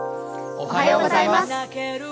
おはようございます。